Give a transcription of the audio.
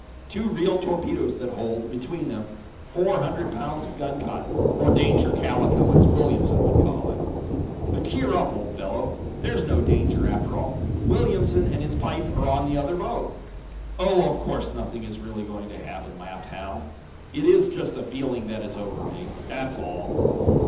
Two real torpedoes that hold, between them, four hundred pounds of gun cotton or danger calico, as Williamson would call it. But cheer up, old fellow. There's no danger, after all. Williamson and his pipe are on the other boat." "Oh, of course nothing is really going to happen," laughed Hal. "It is just the feeling that is over me. That's all."